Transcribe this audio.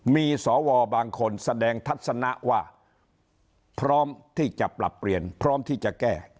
มีสวบางคนแสดงทัศนะว่าพร้อมที่จะปรับเปลี่ยนพร้อมที่จะแก้